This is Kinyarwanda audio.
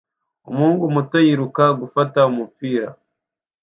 Umuhungu muto yiruka gufata umupira